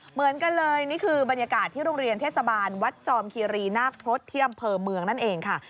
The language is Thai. เหมือนกันเลยนี่คือบรรยากาศที่โรงเรียนเทศบาลวัดจอมคีรีนาคพที่อำเภอเมืองนั่นเองค่ะ